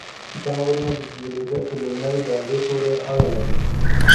دا غرونه د جیولوژۍ په لومړۍ دورې پورې اړه لري.